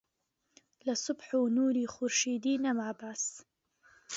لە سوبح و نووری خورشیدی نەما باس